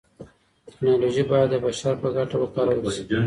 تکنالوژي بايد د بشر په ګټه وکارول سي.